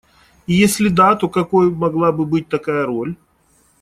И если да, то какой могла бы быть такая роль?